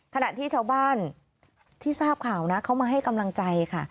ขณะที่ชาวบ้านที่ทราบข่าวนะเขามาให้กำลังใจค่ะ